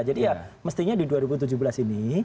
jadi ya mestinya di dua ribu tujuh belas ini